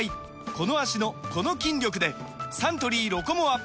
この脚のこの筋力でサントリー「ロコモア」！